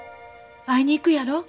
会いに行くやろ？